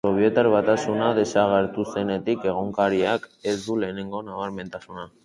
Sobietar Batasuna desagertu zenetik, egunkariak ez du lehengo nabarmentasuna.